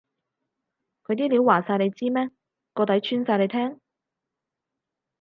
佢啲料話晒你知咩？個底穿晒你聽？